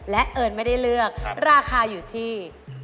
และเอิญไม่ได้เลือกราคาอยู่ที่